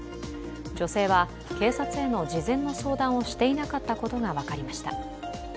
女性は、警察への事前の相談をしていなかったことが分かりました。